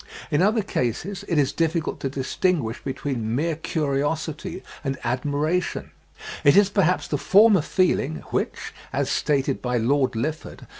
In other cases it is difficult to distinguish between mere curiosity and admiration. It is perhaps the former feeling which, as stated by Lord Lilford (15. The 'Ibis,' vol.